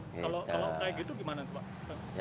kalau kayak gitu gimana tuh pak